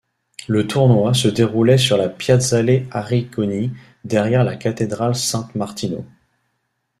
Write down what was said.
Le tournoi se déroulait sur la Piazzale Arrigoni, derrière la cathédrale San Martino.